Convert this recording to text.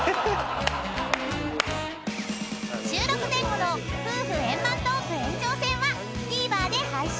［収録前後の夫婦円満トーク延長戦はＴＶｅｒで配信。